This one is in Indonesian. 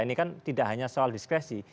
ini kan tidak hanya soal diskresi